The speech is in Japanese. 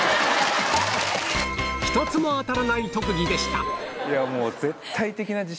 １つも当たらない特技でしたいやもう。